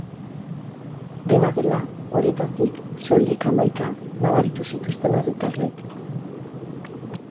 Dena dela, horietatik soilik hamaika nabaritu zituzten herritarrek.